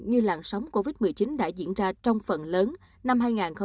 như làn sóng covid một mươi chín đã diễn ra trong phần lớn năm hai nghìn hai mươi